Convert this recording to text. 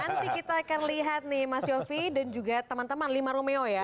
nanti kita akan lihat nih mas yofi dan juga teman teman lima romeo ya